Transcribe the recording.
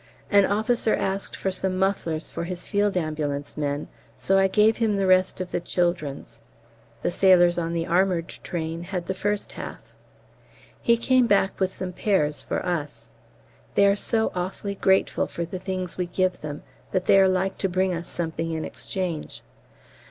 An officer asked for some mufflers for his Field Ambulance men, so I gave him the rest of the children's: the sailors on the armoured train had the first half. He came back with some pears for us. They are so awfully grateful for the things we give them that they like to bring us something in exchange.